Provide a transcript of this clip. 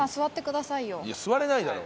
いや座れないだろ！